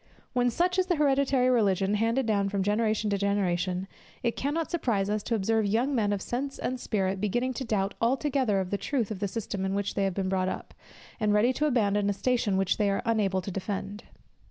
When such is the hereditary religion handed down from generation to generation, it cannot surprise us to observe young men of sense and spirit beginning to doubt altogether of the truth of the system in which they have been brought up, and ready to abandon a station which they are unable to defend.